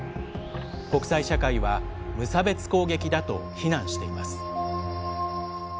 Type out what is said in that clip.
国際社会は無差別攻撃だと非難しています。